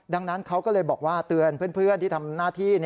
ดังนั้นเขาก็เลยบอกว่าเตือนเพื่อนที่ทำหน้าที่